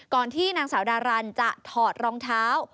ที่นางสาวดารันจะถอดรองเท้า